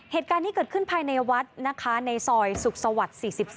เหตุการณ์นี้เกิดขึ้นภายในวัดนะคะในซอยสุขสวรรค์๔๒